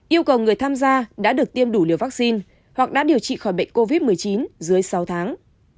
yêu cầu người tham gia đã được tiêm đủ liều vaccine hoặc đã điều trị khỏi bệnh covid một mươi chín dưới sáu tháng